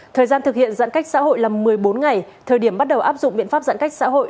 thời gian thực hiện giãn cách xã hội là một mươi bốn ngày thời điểm bắt đầu áp dụng biện pháp giãn cách xã hội